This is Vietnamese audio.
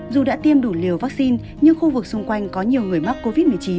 dù đã tiêm đủ liều vaccine nhưng khu vực xung quanh có nhiều người mắc covid một mươi chín